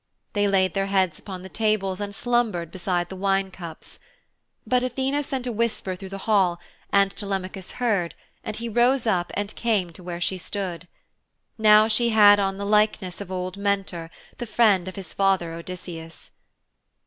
They laid their heads upon the tables and slumbered beside the wine cups. But Athene sent a whisper through the hall and Telemachus heard and he rose up and came to where she stood. Now she had on the likeness of old Mentor, the friend of his father Odysseus.